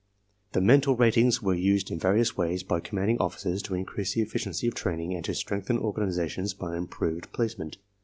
The mental ratings were used in various ways by commanding officers to increase the efficiency of training and to strengthen organizations by im proved placement.